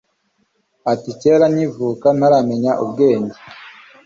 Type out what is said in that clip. ati kera nkivuka ntaramenya ubwenge